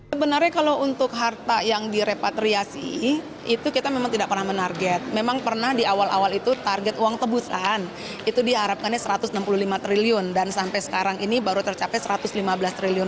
sebenarnya kalau untuk harta yang direpatriasi itu kita memang tidak pernah menarget memang pernah di awal awal itu target uang tebusan itu diharapkannya rp satu ratus enam puluh lima triliun dan sampai sekarang ini baru tercapai satu ratus lima belas triliun